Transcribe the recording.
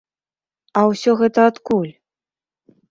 А ўсё гэта адкуль?